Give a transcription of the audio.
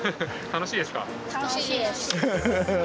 楽しいです！